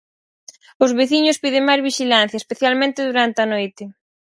Os veciños piden máis vixilancia, especialmente durante a noite.